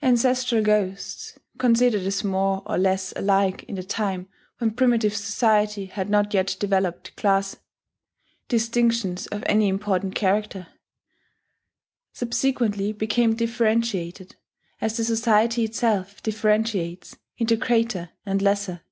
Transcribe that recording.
Ancestral ghosts, considered as more or less alike in the time when primitive society had not yet developed class distinctions of any important character, subsequently become differentiated, as the society itself differentiates, into greater and lesser.